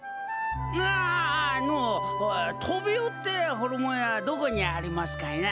ああのうトビオってホルモン屋どこにありますかいな？